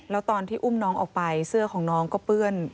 แล้วตอนที่อุ้มน้องออกไปเสื้อของน้องก็เปื้อน